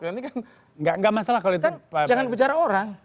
ini kan jangan bicara orang